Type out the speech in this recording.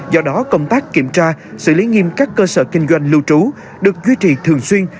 do đó công tác kiểm tra xử lý nghiêm các cơ sở kinh doanh lưu trú được duy trì thường xuyên